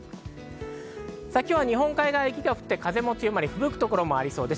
今日は日本海側は雪が降って風も強まり、吹雪くところもありそうです。